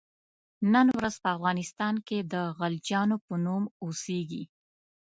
نن ورځ په افغانستان کې د غلجیانو په نوم اوسیږي.